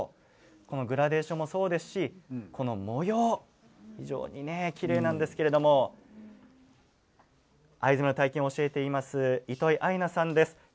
グラデーションもそうですしこの模様非常にきれいなんですけれど藍染め体験を教えている糸井愛奈さんです。